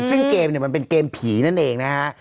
ซึ่งเกมเนี่ยมันเป็นเกมผีนั่นเองนะฮะ